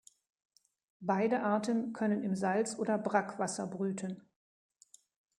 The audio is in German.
Beide Arten können im Salz- oder Brackwasser brüten.